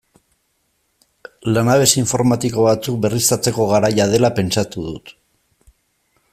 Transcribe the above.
Lanabes informatiko batzuk berriztatzeko garaia dela pentsatu dut.